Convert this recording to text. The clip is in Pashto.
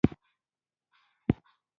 بیا دا مایع د وینې جریان ته رسېږي.